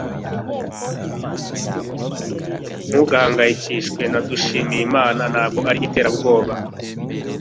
Ntugahangayikishwe na Dushyimiyimana Ntabwo ari iterabwoba